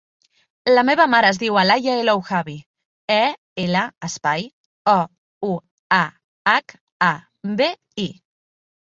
La meva mare es diu Alaia El Ouahabi: e, ela, espai, o, u, a, hac, a, be, i.